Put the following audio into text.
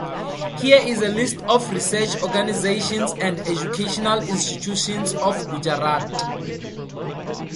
Here is a list of research organisations and educational institutions of Gujarat.